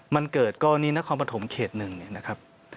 มันเกิดก็อันนี้นะครับของปฐมเขตหนึ่งนะครับ